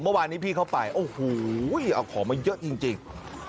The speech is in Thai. เมื่อวานนี้พี่เข้าไปโอ้โหเอาของมาเยอะจริง